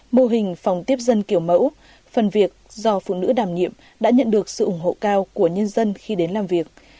mô hình phòng tiếp dân kiểu mẫu phần việc do phụ nữ đảm nhiệm đã nhận được sự ủng hộ cao của nhân dân khi đến làm việc